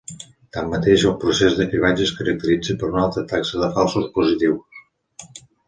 Tanmateix, el procés de cribatge es caracteritza per una alta taxa de falsos positius.